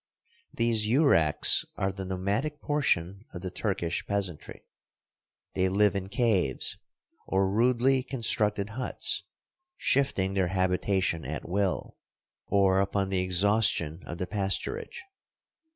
These Yuraks are the nomadic portion of the Turkish peasantry. They live in caves or rudely constructed huts, shifting their habitation at will, or upon the exhaustion of the pasturage.